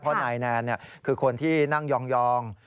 เพราะนายแนนคือคนที่นั่งยอง